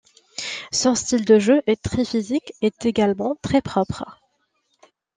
Son style de jeu est très physique et également très propre.